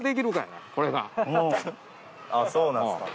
あっそうなんですか。